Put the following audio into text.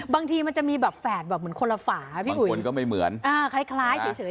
บางทีมันจะมีแบบแฝดแบบเหมือนคนละฝาพี่อุ๋ยมันก็ไม่เหมือนอ่าคล้ายคล้ายเฉย